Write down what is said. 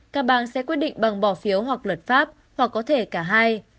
các bang sẽ quyết định bằng bỏ phiếu hoặc luật pháp hoặc có thể cả hai